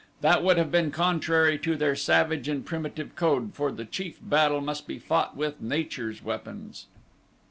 That would have been contrary to their savage and primitive code for the chief battle must be fought with nature's weapons.